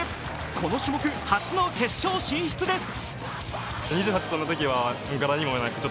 この種目初の決勝進出です。